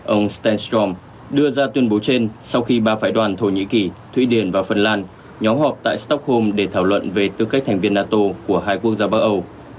ông stenstrom đưa ra tuyên bố trên sau khi ba phái đoàn thổ nhĩ kỳ thụy điển và phần lan nhóm họp tại stockholm để thảo luận về tư cách thành viên nato của hai quốc gia bắc âu